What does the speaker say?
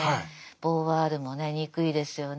ボーヴォワールもねにくいですよね。